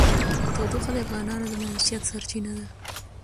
تودوخه د افغانانو د معیشت سرچینه ده.